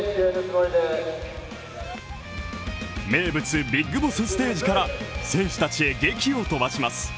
名物・ビッグボスステージから選手たちへ、げきを飛ばします。